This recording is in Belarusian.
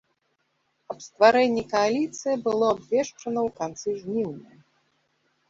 Аб стварэнні кааліцыі было абвешчана ў канцы жніўня.